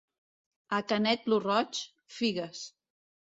A Canet lo Roig, figues.